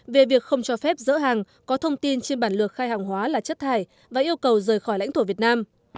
về việc không cho phép dỡ hàng có thông tin trên bản lược khai hàng hóa là chất thải và yêu cầu rời khỏi lãnh thổ việt nam